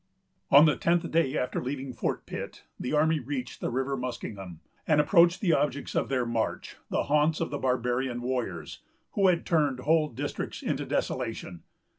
On the tenth day after leaving Fort Pitt, the army reached the River Muskingum, and approached the objects of their march, the haunts of the barbarian warriors, who had turned whole districts into desolation.